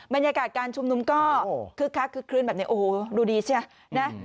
บรรยากาศการชุมนุมก็คึกคักคึกคลื้นแบบนี้โอ้โหดูดีใช่ไหม